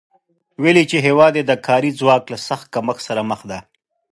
ویلي چې هېواد یې د کاري ځواک له سخت کمښت سره مخ دی